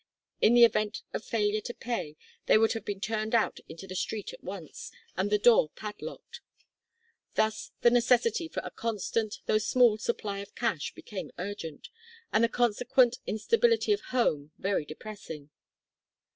In the event of failure to pay they would have been turned out into the street at once, and the door padlocked. Thus the necessity for a constant, though small, supply of cash became urgent, and the consequent instability of "home" very depressing.